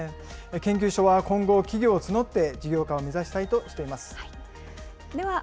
研究所は今後、企業を募って事業化を目指したいとしています。